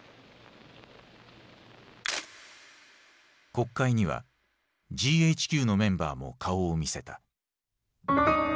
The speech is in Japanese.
国会にはＧＨＱのメンバーも顔を見せた。